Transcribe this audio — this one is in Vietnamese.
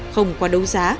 không qua đấu giá